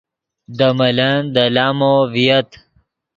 دے ملن دے لامو ڤییت